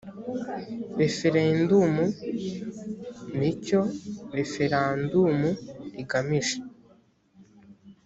referendumu n icyo referandumu igamije